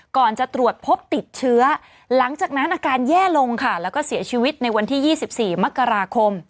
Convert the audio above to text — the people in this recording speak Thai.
ก่อนจะตรวจพบติดเชื้อหลังจากนั้นอาการแย่ลงค่ะแล้วก็เสียชีวิตในวันที่๒๔มกราคม